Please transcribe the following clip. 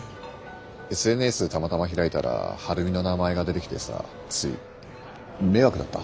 ＳＮＳたまたま開いたら晴美の名前が出てきてさつい迷惑だった？